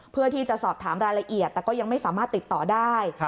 เพื่อที่จะสอบถามรายละเอียดแต่ก็ยังไม่สามารถติดต่อได้